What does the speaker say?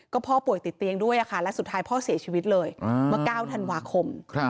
ก็พ่อป่วยติดเตียงด้วยและสุดท้ายพ่อเสียชีวิตเลยเมื่อ๙ธันวาคม